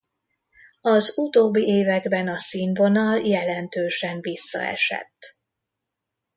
Az utóbbi években a színvonal jelentősen visszaesett.